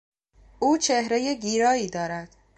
او چهرهی گیرایی دارد.